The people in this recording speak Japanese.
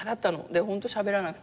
ホントしゃべらなくて。